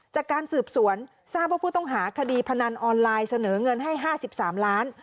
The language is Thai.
จากการสืบสวนทราบว่าผู้ต้องหาคดีพนันออนไลน์เสนอเงินให้๕๓ล้าน